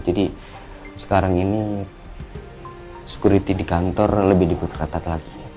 jadi sekarang ini sekuriti di kantor lebih dibutratat lagi